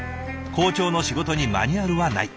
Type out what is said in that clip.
校長の仕事にマニュアルはない。